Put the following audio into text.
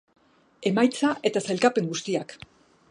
Emaitza eta sailkapen guztiak.